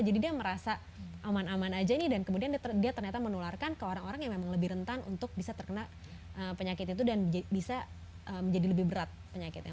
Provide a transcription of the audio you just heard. jadi dia merasa aman aman aja ini dan kemudian dia ternyata menularkan ke orang orang yang memang lebih rentan untuk bisa terkena penyakit itu dan bisa menjadi lebih berat penyakitnya